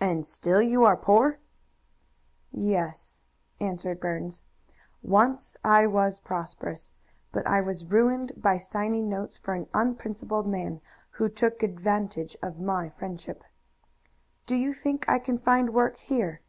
"And still you are poor?" "Yes," answered Burns. "Once I was prosperous, but I was ruined by signing notes for an unprincipled man who took advantage of my friendship. Do you think I can find work here?"